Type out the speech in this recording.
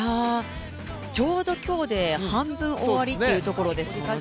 ちょうど今日で半分終わりっていうところですもんね。